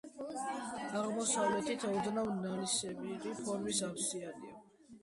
აღმოსავლეთით ოდნავ ნალისებრი ფორმის აბსიდია, რომლის ღერძზე, თაღოვანი სარკმელია გაჭრილი.